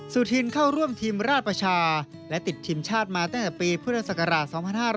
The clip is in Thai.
สุธินเข้าร่วมทีมราชประชาและติดทีมชาติมาตั้งแต่ปีพุทธศักราช๒๕๕๙